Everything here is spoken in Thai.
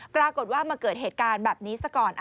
ปรากฏว่ามาเกิดเหตุการณ์แบบนี้ซะก่อน